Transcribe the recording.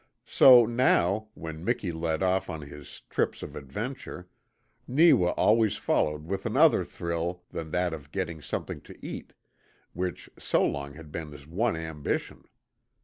So now, when Miki led off on his trips of adventure, Neewa always followed with another thrill than that of getting something to eat, which so long had been his one ambition.